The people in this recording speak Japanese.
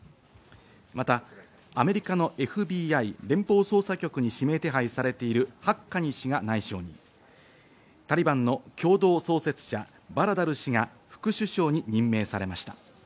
またアメリカのＦＢＩ＝連邦捜査局に指名手配されているハッカニ氏が内相に、タリバンの共同創設者、バラダル師が副首相に任命されました。